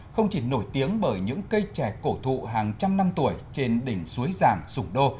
không chỉ nổi tiếng bởi những cây trẻ cổ thụ hàng trăm năm tuổi trên đỉnh suối giàng sùng đô